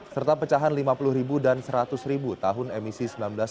serta pecahan lima puluh ribu dan seratus ribu tahun emisi seribu sembilan ratus sembilan puluh